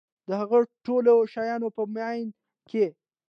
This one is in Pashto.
د هغه ټولو شیانو په میان کي